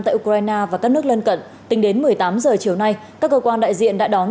tại ukraine và các nước lân cận tính đến một mươi tám h chiều nay các cơ quan đại diện đã đón